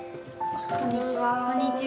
こんにちは。